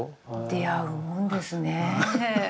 出会うもんですねえ。